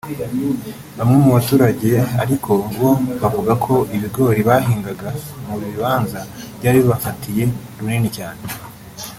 Bamwe mu baturage ariko bo bavuga ko ibigori bahingaga mu bibanza byari bibafatiye runini cyane